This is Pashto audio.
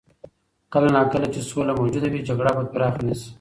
کله نا کله چې سوله موجوده وي، جګړه به پراخه نه شي.